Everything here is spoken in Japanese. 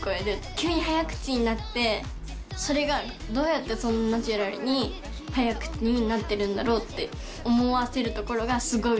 急に早口になって、それがどうやってそんなナチュラルに早口になってるんだろうって思わせるところがすごい。